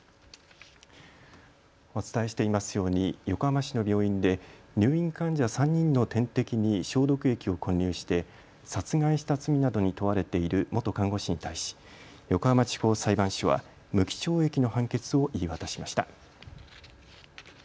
お伝えしていますように横浜市の病院で入院患者３人の点滴に消毒液を混入して殺害した罪などに問われている元看護師に対し、横浜地方裁判所は無期懲役の判決を言い渡しました。